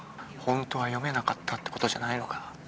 ほんとは読めなかったって事じゃないのか？